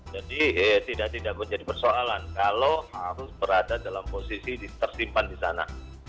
jadi tidak tidak akan jadi persoalan kalau harus berada dalam posisi tersimpan di sana